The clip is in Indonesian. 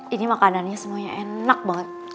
ini makanannya semuanya enak banget